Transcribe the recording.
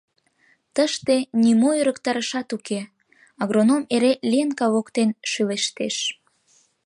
Тыште нимо ӧрыктарышат уке, агроном эре Ленка воктен шӱлештеш.